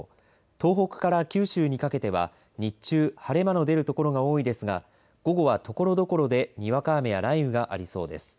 東北から九州にかけては日中晴れ間の出る所が多いですが午後は、ところどころでにわか雨や雷雨がありそうです。